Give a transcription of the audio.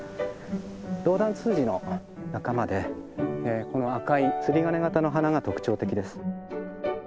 ドウダンツツジの仲間でこの赤い釣り鐘形の花が特徴的です。